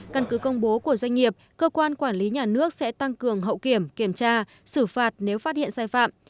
căn cứ công bố của doanh nghiệp cơ quan quản lý nhà nước sẽ tăng cường hậu kiểm kiểm tra xử phạt nếu phát hiện sai phạm